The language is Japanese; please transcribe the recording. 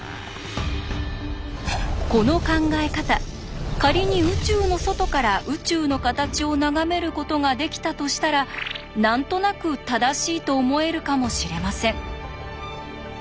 この考え方仮に宇宙の外から宇宙の形を眺めることができたとしたら何となく正しいと思えるかもしれません。